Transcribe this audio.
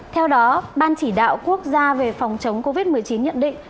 theo đó ban chỉ đạo quốc gia về phòng chống covid một mươi chín nhận định